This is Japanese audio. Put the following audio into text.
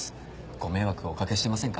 ご迷惑おかけしてませんか？